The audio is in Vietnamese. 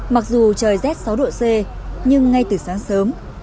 mặc dù trời rét sáu độ c nhưng ngay từ sáng sớm